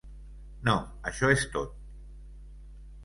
No, això és tot!